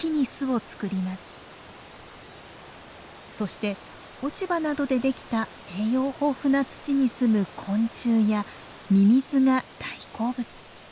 そして落ち葉などでできた栄養豊富な土にすむ昆虫やミミズが大好物。